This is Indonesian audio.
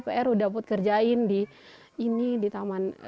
pr udah put kerjain di ini di taman